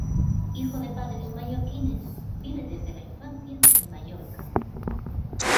Hijo de padres mallorquines, vive desde la infancia en Mallorca.